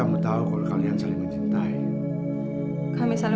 mama senang sekali